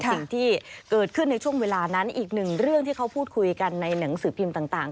สิ่งที่เกิดขึ้นในช่วงเวลานั้นอีกหนึ่งเรื่องที่เขาพูดคุยกันในหนังสือพิมพ์ต่าง